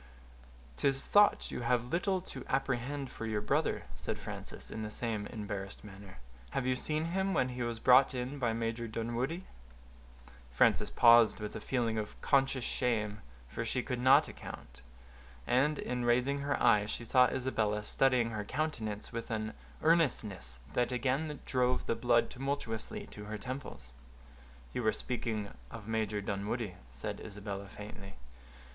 "'Tis thought you have little to apprehend for your brother," said Frances, in the same embarrassed manner. "Had you seen him when he was brought in by Major Dunwoodie—" Frances paused, with a feeling of conscious shame, for which she could not account; and, in raising her eyes, she saw Isabella studying her countenance with an earnestness that again drove the blood tumultuously to her temples. "You were speaking of Major Dunwoodie," said Isabella, faintly.